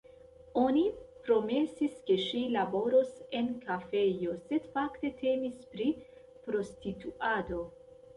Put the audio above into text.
Oni promesis, ke ŝi laboros en kafejo, sed fakte temis pri prostituado.